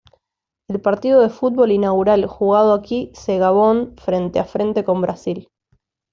El partido de fútbol inaugural jugado aquí se Gabón frente a frente contra Brasil.